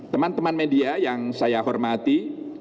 teman teman media yang saya hormati